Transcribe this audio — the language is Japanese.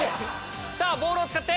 ボールを使って。